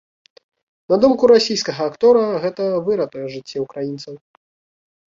На думку расійскага актора, гэта выратуе жыцці ўкраінцаў.